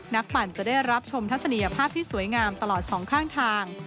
ปั่นจะได้รับชมทัศนียภาพที่สวยงามตลอดสองข้างทาง